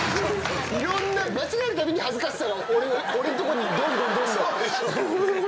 間違えるたびに恥ずかしさが俺んとこにどんどんどんどん。